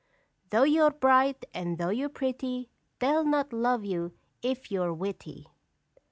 "Though you're bright, and though you're pretty, They'll not love you if you're witty."